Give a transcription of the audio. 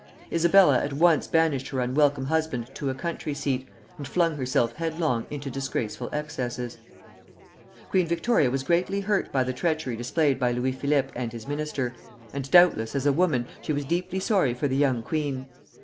Isabella at once banished her unwelcome husband to a country seat, and flung herself headlong into disgraceful excesses. Queen Victoria was greatly hurt by the treachery displayed by Louis Philippe and his minister, and doubtless, as a woman she was deeply sorry for the young queen.